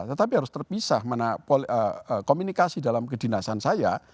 tetapi harus terpisah mana komunikasi dalam kedinasan saya